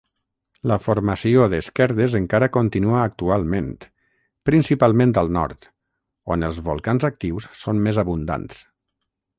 La formació d'esquerdes encara continua actualment, principalment al nord, on els volcans actius són més abundants.